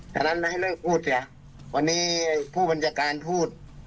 ฉะนั้นให้เรื่องพูดเสียวันนี้ผู้บัญชาการพูด